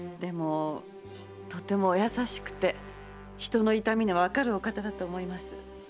とてもお優しくて人の痛みのわかるお方だと思います。